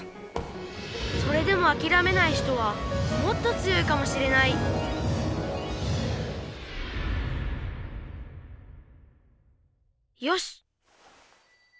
それでもあきらめない人はもっと強いかもしれないよし！